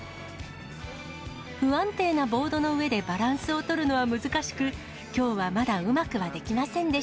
不安定なボードの上でバランスを取るのは難しく、きょうはまだう